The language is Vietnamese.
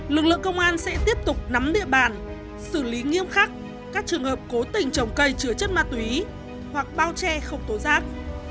lực lượng công an sẽ tiếp tục nắm địa bàn xử lý nghiêm khắc các trường hợp cố tình trồng cây chứa chất ma túy hoặc bao che không tố giác